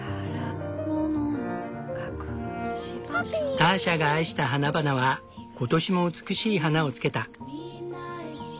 ターシャが愛した花々は今年も美しい花をつけた。